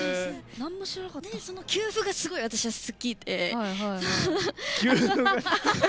その休符がすごく私は好きで。